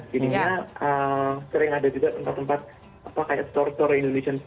sering ada juga tempat tempat pakai store store indonesia